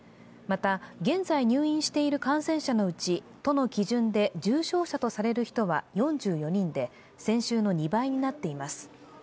また、現在入院している感染者のうち、都の基準で重症者とされる人は４４人で先週の２倍になっています。